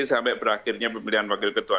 sampai berakhirnya pemilihan wakil ketua